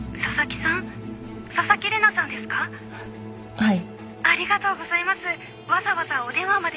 ☎はい。